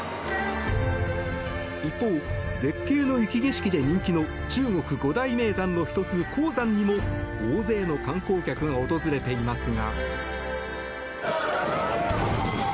一方、絶海の雪景色で人気の中国五大名山の１つ、衡山にも大勢の観光客が訪れていますが。